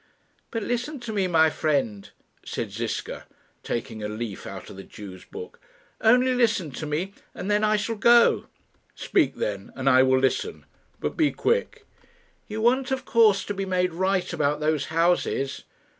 "But listen to me, my friend," said Ziska, taking a leaf out of the Jew's book. "Only listen to me, and then I shall go." "Speak, then, and I will listen; but be quick." "You want, of course, to be made right about those houses?"